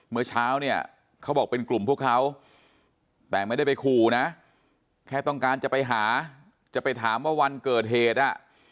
เมื่อเช้าเนี่ยเขาบอกเป็นกลุ่มพวกเขาแต่ไม่ได้ไปขู่นะแค่ต้องการจะไปหาจะไปถามว่าวันเกิดเหตุอ่ะ